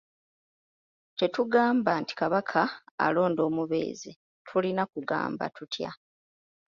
Tetugamba nti Kabaka alonda omubeezi, tulina kugamba tutya?